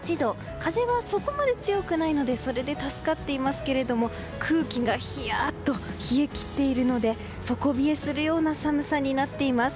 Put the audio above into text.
風はそこまで強くないのでそれで助かっていますけど空気がヒヤッと冷え切っているので底冷えするような寒さになっています。